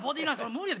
無理やろ！